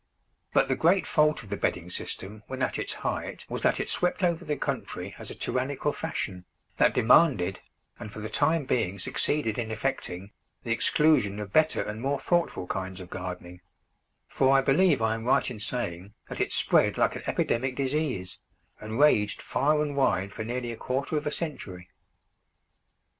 But the great fault of the bedding system when at its height was, that it swept over the country as a tyrannical fashion, that demanded, and for the time being succeeded in effecting, the exclusion of better and more thoughtful kinds of gardening; for I believe I am right in saying that it spread like an epidemic disease, and raged far and wide for nearly a quarter of a century.